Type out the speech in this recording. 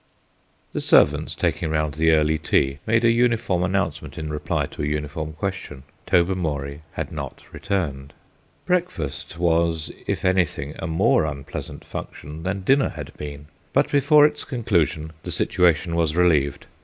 The servants taking round the early tea made a uniform announcement in reply to a uniform question. Tobermory had not returned. Breakfast was, if anything, a more unpleasant function than dinner had been, but before its conclusion the situation was relieved.